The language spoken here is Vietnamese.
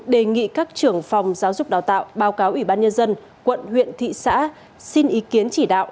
đề nghị các trưởng phòng giáo dục đào tạo báo cáo ủy ban nhân dân quận huyện thị xã xin ý kiến chỉ đạo